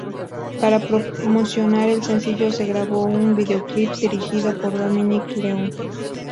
Para promocionar el sencillo se grabó un videoclip, dirigido por Dominic Leung.